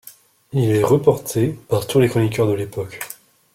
Il est reporté par tous les chroniqueurs de l'époque.